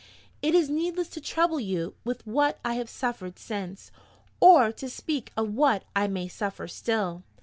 It is needless to trouble you with what I have suffered since, or to speak of what I may suffer still.